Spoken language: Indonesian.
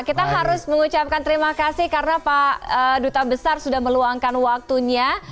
kita harus mengucapkan terima kasih karena pak duta besar sudah meluangkan waktunya